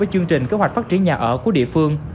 chương trình kế hoạch phát triển nhà ở của địa phương